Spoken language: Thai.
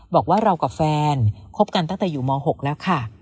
บอกว่าเรากับแฟนคบกันตั้งแต่อยู่ม๖แล้วค่ะ